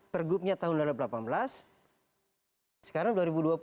pergubnya tahun dua ribu delapan belas sekarang dua ribu dua puluh